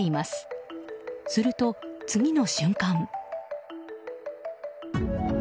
すると次の瞬間。